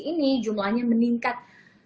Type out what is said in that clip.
ini jumlahnya meningkat